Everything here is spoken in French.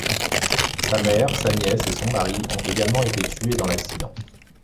Sa mère, sa nièce et son mari ont également été tués dans l'accident.